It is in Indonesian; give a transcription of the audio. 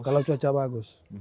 kalau cuaca bagus